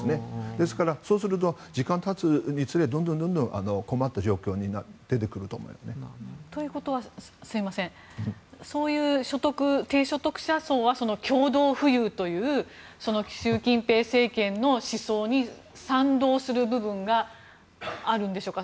ですから、そうすると時間が経つにつれてどんどん困った状況が出てくると思いますね。ということは低所得者層は共同富裕という習近平政権の思想に賛同する部分があるんでしょうか。